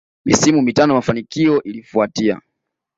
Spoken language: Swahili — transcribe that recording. Misimu mitatu ya mafanikio ilifuatia